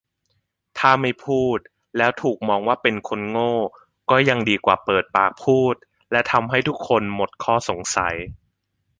ถ้าไม่พูดแล้วถูกมองว่าเป็นคนโง่ก็ยังดีกว่าเปิดปากพูดและทำให้ทุกคนหมดข้อสงสัย